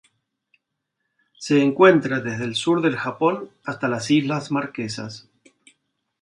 Se encuentra desde el sur del Japón hasta las Islas Marquesas.